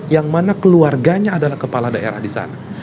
yang mana keluarganya adalah kepala daerah di sana